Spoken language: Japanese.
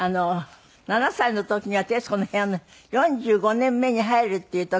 ７歳の時には『徹子の部屋』の４５年目に入るっていう時で。